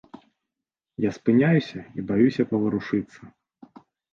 Я спыняюся і баюся паварушыцца.